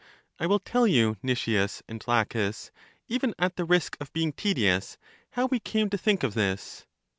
I will tell you, Nicias and Laches, even at the risk of being tedious, how we came to think of this.